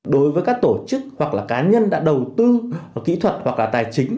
đối với các tổ chức hoặc là cá nhân đã đầu tư kỹ thuật hoặc là tài chính